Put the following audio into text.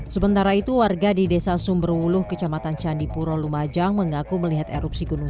sementara itu warga di desa sumberwuluh kecamatan candipuro lumajang mengaku melihat erupsi gunung